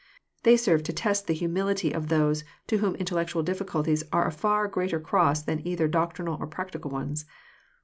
They serve to test the humility of those to whom Intellectual difficulties are a far greater cross than either doctrinal or practical ones.